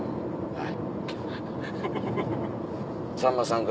はい。